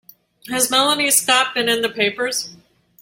Has Melanie Scott been in the papers?